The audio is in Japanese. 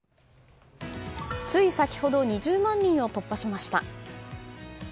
つい先ほど２０万人を突破しました。